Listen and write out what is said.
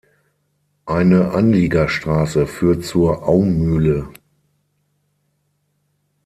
Eine Anliegerstraße führt zur Aumühle.